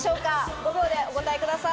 ５秒でお答えください。